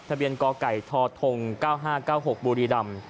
ทะเบียนกไก่ทธ๙๕๙๖บุรีรำ